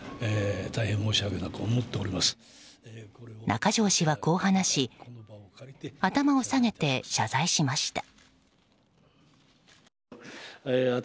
中条氏は、こう話し頭を下げて謝罪しました。